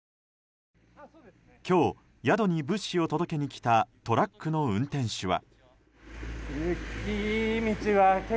今日、宿に物資を届けに来たトラックの運転手は。